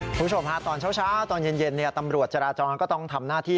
ให้คุณผู้ชมภาพตอนเช้าเช้าตอนเย็นเนี้ยตำรวจจราจรก็ต้องทำหน้าที่